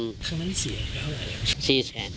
ครั้งนั้นเสียอะไรครับ